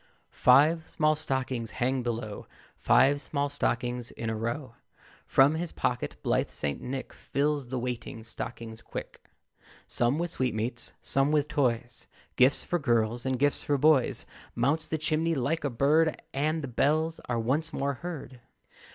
Five small stockings hang below; Five small stockings in a row. From his pocket blithe St. Nick Fills the waiting stockings quick; Some with sweetmeats, some with toys, Gifts for girls, and gifts for boys, Mounts the chimney like a bird, And the bells are once more heard.